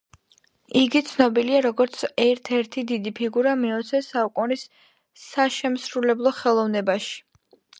იგი ცნობილია როგორც ერთ-ერთი დიდი ფიგურა მეოცე საუკუნის საშემსრულებლო ხელოვნებაში.